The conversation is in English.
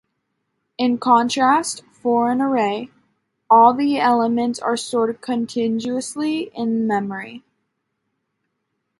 In contrast, for an Array, all the elements are stored contiguously in memory.